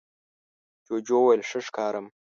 جوجو وویل ښه ښکارم؟